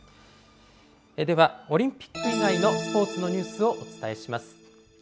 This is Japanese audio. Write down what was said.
では、オリンピック以外のスポーツのニュースをお伝えします。